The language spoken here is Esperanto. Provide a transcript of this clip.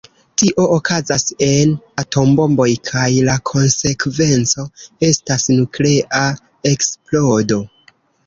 Tio okazas en atombomboj kaj la konsekvenco estas nuklea eksplodo.